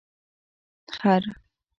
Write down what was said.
🫏 خر